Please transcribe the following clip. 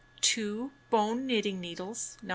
2 Bone knitting needles No.